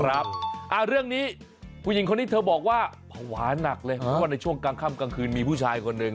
เรื่องนี้ผู้หญิงคนนี้เธอบอกว่าภาวะหนักเลยเพราะว่าในช่วงกลางค่ำกลางคืนมีผู้ชายคนหนึ่ง